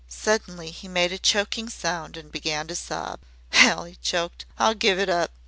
Suddenly he made a choking sound and began to sob. "Hell!" he choked. "I'll give it up!